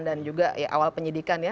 dan juga awal penyidikan ya